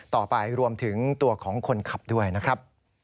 รวมไปถึงตัวของคนขับด้วยนะครับ